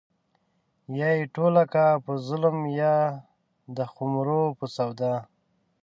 يا يې ټوله کا په ظلم يا د خُمرو په سودا